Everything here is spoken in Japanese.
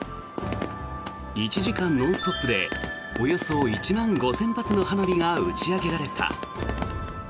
１時間ノンストップでおよそ１万５０００発の花火が打ち上げられた。